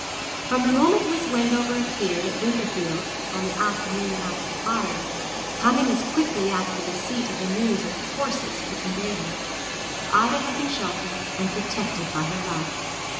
From the moment Miss Wendover appeared at Wimperfield on the afternoon after the fire, coming as quickly after the receipt of the news as horses could convey her, Ida had been sheltered and protected by her love.